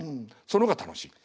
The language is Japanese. その方が楽しい。